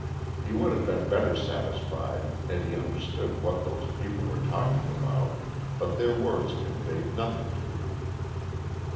He would have been better satisfied had he understood what those people were talking about, but their words conveyed nothing to him.